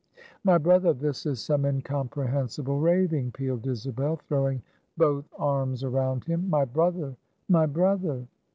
"My brother! this is some incomprehensible raving," pealed Isabel, throwing both arms around him; "my brother, my brother!"